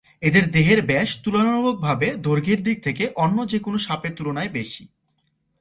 এদের দেহের ব্যাস তুলনামূলকভাবে দৈর্ঘ্যের দিক থেকে অন্য যেকোন সাপের তুলনায় বেশি।